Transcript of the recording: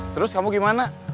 terus kamu gimana